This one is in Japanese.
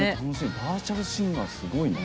バーチャルシンガーすごいな。